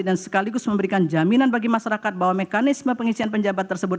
dan sekaligus memberikan jaminan bagi masyarakat bahwa mekanisme pengisian penjabat tersebut